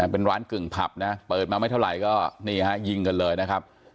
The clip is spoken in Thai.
เป็นร้านกึ่งผับนะเปิดมาไม่เท่าไหร่ก็นี่ฮะยิงกันเลยนะครับ